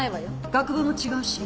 学部も違うし。